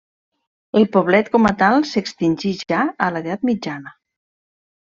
El poblet com a tal s'extingí ja a l'Edat Mitjana.